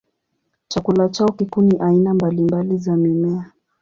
Chakula chao kikuu ni aina mbalimbali za mimea.